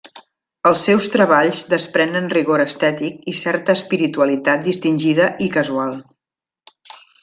Els seus treballs desprenen rigor estètic i certa espiritualitat distingida i casual.